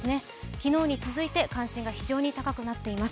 昨日に続いて関心が非常に高くなっています。